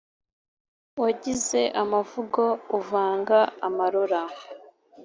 wagize amavugo uvanga amarora,